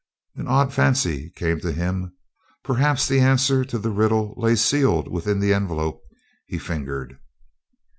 An odd fancy came to him: perhaps the answer to the riddle lay sealed within the envelope he fingered.